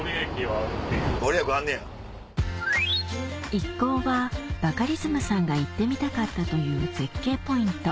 一行はバカリズムさんが行ってみたかったという絶景ポイント